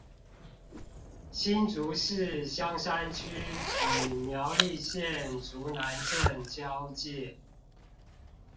新竹市香山區與苗栗縣竹南鎮交界